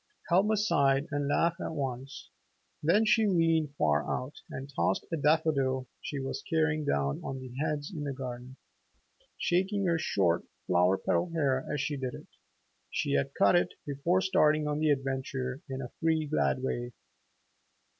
Helma sighed and laughed at once. Then she leaned far out and tossed a daffodil she was carrying down on the heads in the garden, shaking her short, flower petal hair as she did it she had cut it before starting on the adventure in a free, glad way.